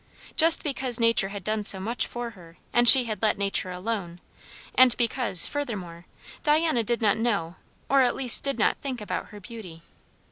Just because nature had done so much for her and she had let nature alone; and because, furthermore, Diana did not know or at least did not think about her beauty.